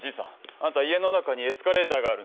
あんた家の中にエスカレーターがあるのか？